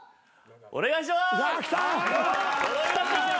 お願いします！